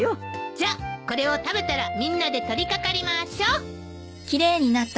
じゃあこれを食べたらみんなで取り掛かりましょう！